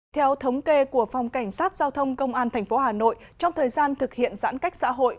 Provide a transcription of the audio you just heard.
theo thống kê của phòng cảnh sát giao thông công an tp hà nội trong thời gian thực hiện giãn cách xã hội